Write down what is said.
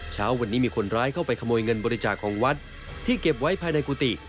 เช้าวันนี้มีคนร้ายเข้าไปขโมยเงินบริจาคของวัดที่เก็บไว้ภายในกุฏิ